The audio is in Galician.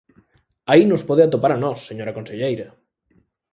Aí nos pode atopar a nós, señora conselleira.